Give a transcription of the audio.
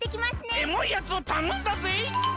エモいやつをたのんだぜい！